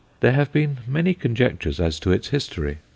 There have been many conjectures as to its history.